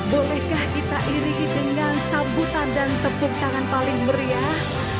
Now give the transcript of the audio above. bolehkah kita iringi dengan sabutan dan tepuk tangan paling meriah